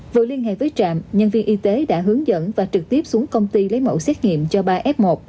vừa liên hệ với trạm nhân viên y tế đã hướng dẫn và trực tiếp xuống công ty lấy mẫu xét nghiệm cho ba f một